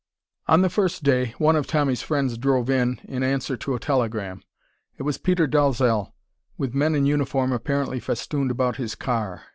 On the first day one of Tommy's friends drove in in answer to a telegram. It was Peter Dalzell, with men in uniform apparently festooned about his car.